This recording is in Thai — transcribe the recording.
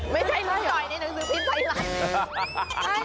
ไม่ใช่ลุงจอยในหนังสือพิษไทยหรอ